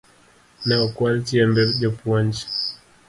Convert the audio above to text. Ne okwal chiembe jopuonj